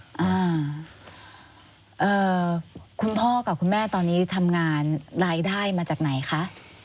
อ่าคุณพ่อกับคุณแม่ตอนนี้ทำงานรายได้มาจากไหนคะ